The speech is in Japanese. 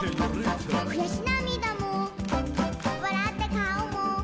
「くやしなみだもわらったかおも」